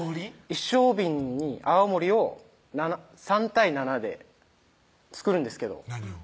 一升瓶に泡盛を３対７で作るんですけど何を？